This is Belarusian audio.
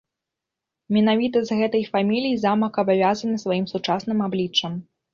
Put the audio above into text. Менавіта з гэтай фамілій замак абавязаны сваім сучасным абліччам.